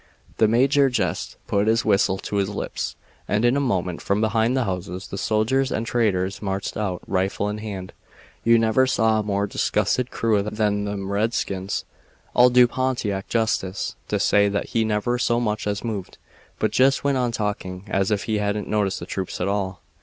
"The major jest put his whistle to his lips, and in a moment from behind the houses the soldiers and traders marched out, rifle in hand. You never saw a more disgusted crew than them redskins. I'll do Pontiac justice to say that he never so much as moved, but jest went on talking as if he hadn't noticed the troops at all.